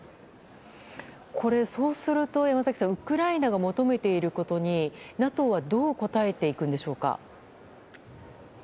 これ、そうするとウクライナが求めていることにＮＡＴＯはどう応えていくんでしょうか。